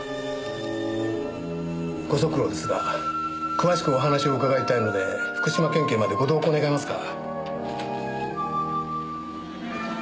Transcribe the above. ご足労ですが詳しくお話を伺いたいので福島県警までご同行願えますか？